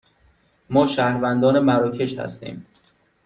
ما شهروندان مراکش هستیم.